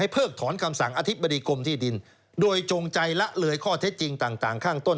เพิกถอนคำสั่งอธิบดีกรมที่ดินโดยจงใจละเลยข้อเท็จจริงต่างข้างต้น